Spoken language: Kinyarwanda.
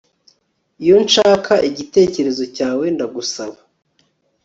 Iyo nshaka igitekerezo cyawe nzagusaba